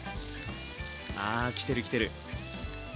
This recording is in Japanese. あ来てる来てる。